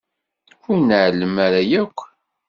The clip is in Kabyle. Ur nεellem ara yakk.